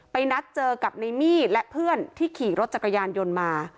นัดเจอกับในมี่และเพื่อนที่ขี่รถจักรยานยนต์มา